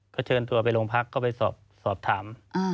ก็เชิญตัวไปโรงพักก็ไปสอบถาม